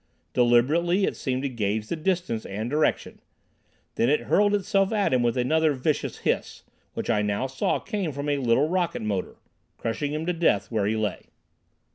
Deliberately it seemed to gauge the distance and direction. Then it hurled itself at him with another vicious hiss, which I now saw came from a little rocket motor, crushing him to death where he lay.